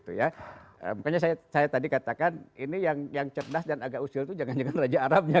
makanya saya tadi katakan ini yang cerdas dan agak usil itu jangan jangan raja arabnya